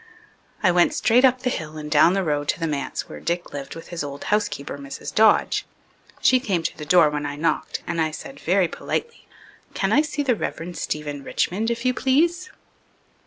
I went straight up the hill and down the road to the manse where Dick lived with his old housekeeper, Mrs. Dodge. She came to the door when I knocked and I said, very politely, "Can I see the Reverend Stephen Richmond, if you please?"